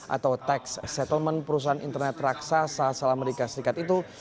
atau tax settlement perusahaan internet raksasa asal amerika serikat itu